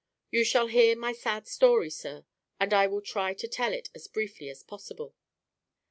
You shall hear my sad story, sir; and I will try to tell it as briefly as possible.